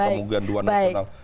tiga pemulihan dua nasional